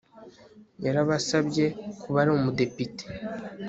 yarabasabye kuba ari umudepite